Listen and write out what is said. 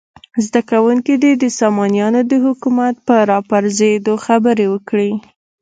زده کوونکي دې د سامانیانو د حکومت په راپرزېدو خبرې وکړي.